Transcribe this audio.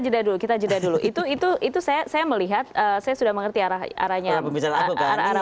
jeda dulu kita jeda dulu itu itu saya melihat saya sudah mengerti arahnya arah arah